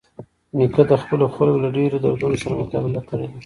نیکه د خپلو خلکو له ډېرۍ دردونو سره مقابله کړې ده.